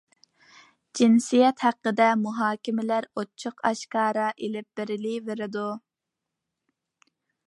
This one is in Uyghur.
جىنسىيەت ھەققىدە مۇھاكىمىلەر ئوچۇق ئاشكارا ئېلىپ بېرىلىۋېرىدۇ.